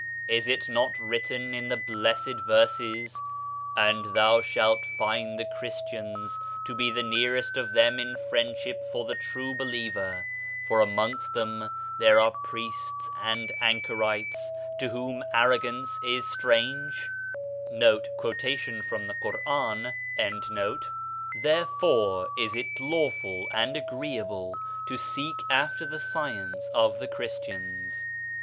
Is it not written in the blessed verses : "And thou shalt find the Christians to be the nearest of them in friendship for the true believer; for amongst them there are priests and anchorites to whom arrogance is strange" *? Therefore is it lawful and agreeable to seek after the science of the Christians.